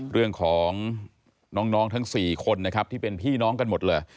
เรื่องของน้องทั้ง๔คนนะครับที่เป็นพี่น้องกันหมดเลย